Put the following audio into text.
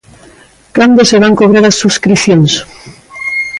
Cando se van cobrar as subscricións?